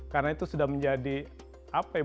karena itu sudah menjadi apa ya